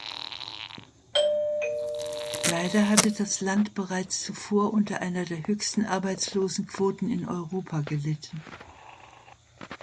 Leider hatte das Land bereits zuvor unter einer der höchsten Arbeitslosenquoten in Europa gelitten.